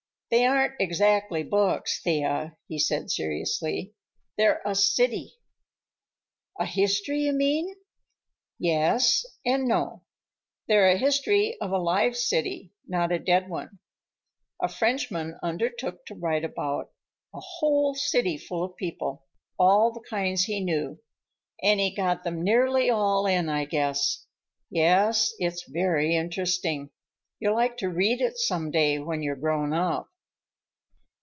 "They aren't exactly books, Thea," he said seriously. "They're a city." "A history, you mean?" "Yes, and no. They're a history of a live city, not a dead one. A Frenchman undertook to write about a whole cityful of people, all the kinds he knew. And he got them nearly all in, I guess. Yes, it's very interesting. You'll like to read it some day, when you're grown up."